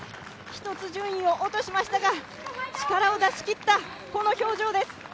１つ順位を落としましたが力を出しきったこの表情です。